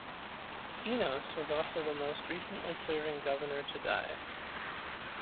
Inos was also the most recently serving governor to die.